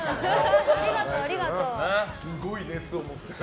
すごい熱を持ってる。